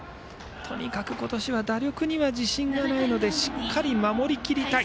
とにかく今年は打力には自信がないのでしっかり守りきりたい。